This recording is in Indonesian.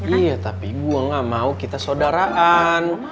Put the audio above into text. iya tapi gue gak mau kita saudaraan